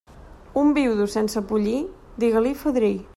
Un viudo sense pollí, digues-li fadrí.